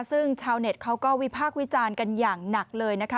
ซึ่งชาวเน็ตเขาก็วิพากษ์วิจารณ์กันอย่างหนักเลยนะคะ